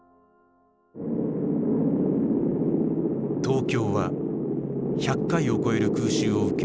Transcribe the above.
東京は１００回を超える空襲を受け